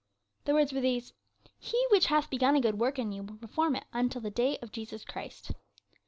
The words were these, 'He which hath begun a good work in you will perform it until the day of Jesus Christ.'